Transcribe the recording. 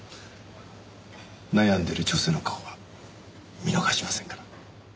悩んでる女性の顔は見逃しませんから。